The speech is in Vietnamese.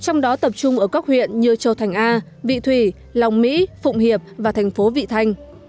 trong đó tập trung ở các huyện như châu thành a vị thủy lòng mỹ phụng hiệp và thành phố vị thanh